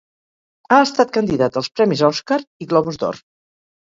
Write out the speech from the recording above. Ha estat candidat als Premis Òscar i Globus d'Or.